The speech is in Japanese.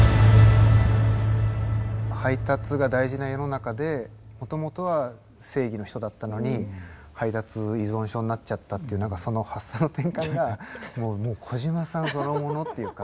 配達が大事な世の中でもともとは正義の人だったのに配達依存症になっちゃったっていう何かその発想の転換がもう小島さんそのものっていうか。